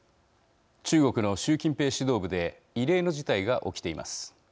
中国の習近平指導部で異例の事態が起きています。